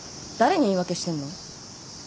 誰に言い訳してんの？